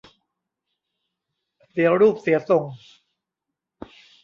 เสียรูปเสียทรง